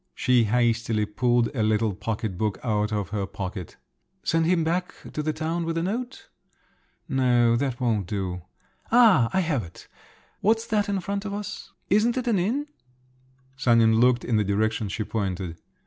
She hastily pulled a little pocket book out of her pocket. "Send him back to the town with a note? No … that won't do. Ah! I have it! What's that in front of us? Isn't it an inn?" Sanin looked in the direction she pointed.